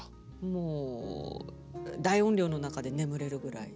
もう大音量の中で眠れるぐらい。